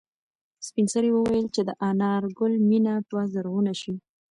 سپین سرې وویل چې د انارګل مېنه به زرغونه شي.